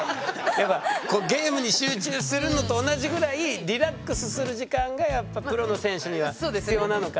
やっぱゲームに集中するのと同じぐらいリラックスする時間がやっぱプロの選手には必要なのかな。